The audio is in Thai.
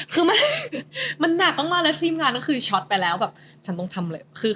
คือมันนับตรงนั้นแล้วทีมงานช็อตเนี่ยฉันต้องทำเลย